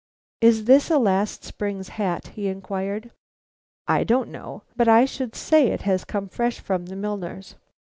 "Is that a last spring's hat?" he inquired. "I don't know, but I should say it had come fresh from the milliner's."